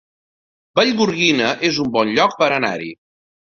Vallgorguina es un bon lloc per anar-hi